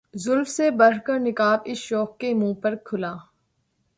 زلف سے بڑھ کر نقاب اس شوخ کے منہ پر کھلا